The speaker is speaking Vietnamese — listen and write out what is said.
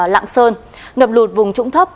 lạng sơn ngập lụt vùng trũng thấp